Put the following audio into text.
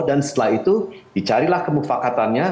dan setelah itu dicarilah kemufakatannya